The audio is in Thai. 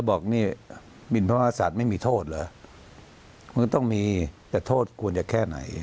บอกนี่มิลภัมษาที่ไม่มีโทษเหรอมันก็ต้องมีโทษควรจะแค่ไหน